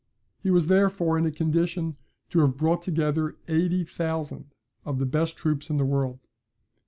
He was therefore in a condition to have brought together 80,000 of the best troops in the world.